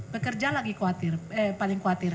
pekerja lagi paling khawatir